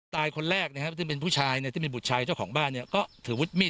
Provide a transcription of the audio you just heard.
ตายคนแรกนะครับที่เป็นผู้ชายที่เป็นผู้ชายเจ้าของบ้านก็ถือวิสมีด